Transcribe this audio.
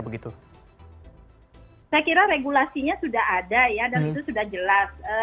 saya kira regulasinya sudah ada ya dan itu sudah jelas